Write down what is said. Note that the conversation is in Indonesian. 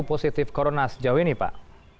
positif corona sejauh ini pak